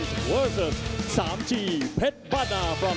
สวัสดีทุกคน